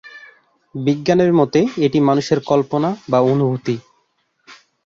বিজ্ঞানের মতে এটি মানুষের কল্পনা বা অনুভূতি।